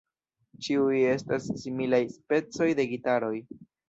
Ĉiuj estas similaj specoj de gitaroj.